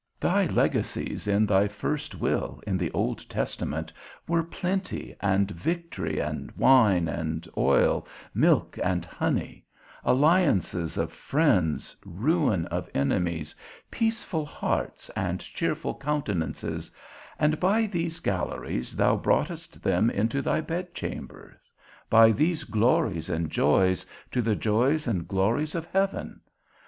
Thy legacies in thy first will, in the Old Testament, were plenty and victory, wine and oil, milk and honey, alliances of friends, ruin of enemies, peaceful hearts and cheerful countenances, and by these galleries thou broughtest them into thy bedchamber, by these glories and joys, to the joys and glories of heaven.